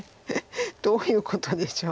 どういうことでしょう。